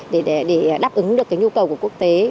để đáp ứng được cái nhu cầu của quốc tế